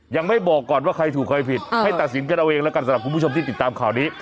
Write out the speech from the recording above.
ยังไม่บอกก่อนว่าใครถูกใครผิดให้ตัดสินกันเอาเองแล้วกันสำหรับคุณผู้ชมที่ติดตามข่าวนี้